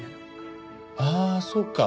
ああそうか。